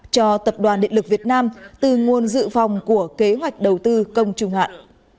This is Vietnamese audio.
cho tập đoàn điện lực việt nam từ nguồn dự phòng của kế hoạch đầu tư công trung hạn